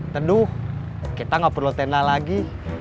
teduh kita nggak perlu tenda lagi